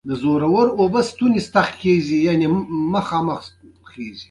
ژبې د افغانستان د طبیعت برخه ده.